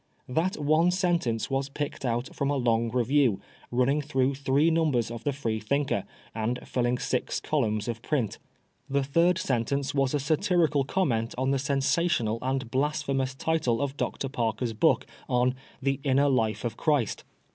That one sentence was picked out from a long review, running through three numbers of the FreethinkeVy and filling six columns of print. The third sentence was a satirical comment on the sensational and blasphe mous title of Dr. Parker's book on " The Inner Life of Christ."